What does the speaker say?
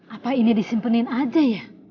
apa ini disimpenin aja ya